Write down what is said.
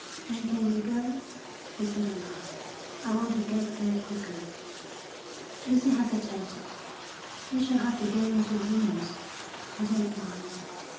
'When can we go?' he said at last. 'I want to get there quickly.' Lucy hesitated. 'We shall have to go into rooms.' 'I don't mind.'